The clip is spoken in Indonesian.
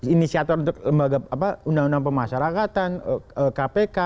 inisiator untuk lembaga undang undang pemasarakatan kpk